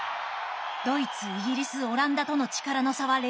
ドイツイギリスオランダとの力の差は歴然。